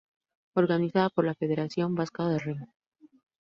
Organizada por la Federación Vasca de Remo.